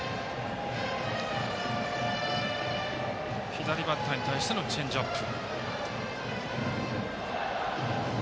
左バッターに対してのチェンジアップ。